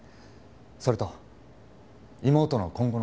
それと妹の今後の事で。